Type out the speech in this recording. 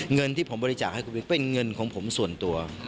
เงินที่ผมบริจาคให้คุณวิทย์เป็นเงินของผมส่วนตัว